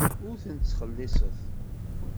Ur ten-ttxelliṣeɣ.